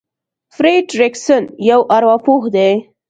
فرېډ ريکسن يو ارواپوه دی.